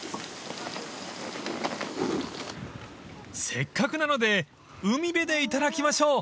［せっかくなので海辺で頂きましょう］